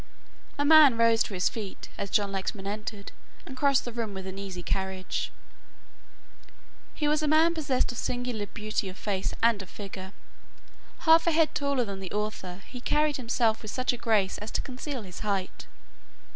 A man rose to his feet, as John Lexman entered and crossed the room with an easy carriage. He was a man possessed of singular beauty of face and of figure. Half a head taller than the author, he carried himself with such a grace as to conceal his height.